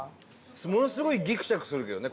ものすごいギクシャクするけどね